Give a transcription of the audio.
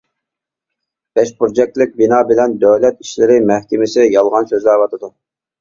بەش بۇرجەكلىك بىنا بىلەن دۆلەت ئىشلىرى مەھكىمىسى يالغان سۆزلەۋاتىدۇ.